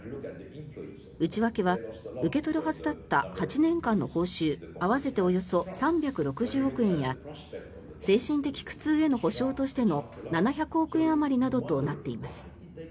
内訳は受け取るはずだった８年間の報酬合わせておよそ３６０億円や精神的苦痛への補償としての７００億円あまりなどとなっています。